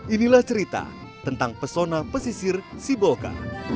inilah cerita tentang pesona pesisir siboka